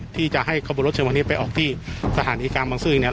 ที่จะให้กระบวนรถเชิงวันนี้ไปออกที่สถานีการบางซื่อเอง